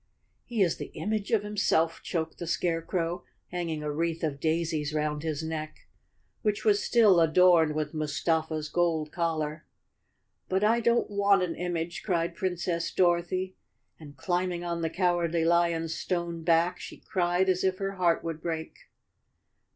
"He is the image of himself," choked the Scarecrow, 281 The Cowardly Lion of Oz _ hanging a wreath of daisies round his neck, which was still adorned with Mustafa's gold collar. " But I don't want an image," cried Princess Dorothy and, climbing on the Cowardly Lion's stone back, she cried as if her heart would break.